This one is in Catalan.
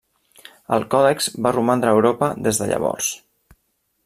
El còdex va romandre a Europa des de llavors.